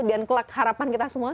dan kelak harapan kita semua